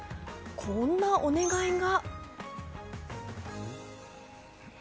こんなお願いが。